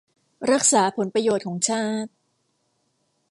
รักษาผลประโยชน์ของชาติ